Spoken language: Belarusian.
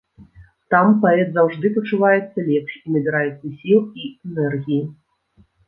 Там паэт заўжды пачуваецца лепш і набіраецца сіл і энергіі.